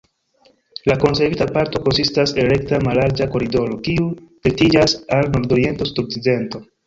La konservita parto konsistas el rekta mallarĝa koridoro, kiu direktiĝas al nordoriento-sudokcidento.